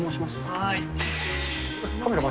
はい。